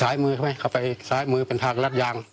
ซ้ายมือเข้าไปซ้ายมือเป็นทางรัดยาง